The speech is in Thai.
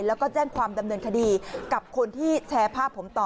แล้วก็แจ้งความดำเนินคดีกับคนที่แชร์ภาพผมต่อ